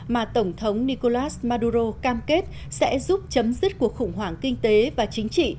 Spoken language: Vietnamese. mà tổng thống nicolas maduro cam kết sẽ giúp chấm dứt cuộc khủng hoảng kinh tế và chính trị